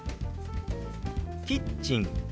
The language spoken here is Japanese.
「キッチン」。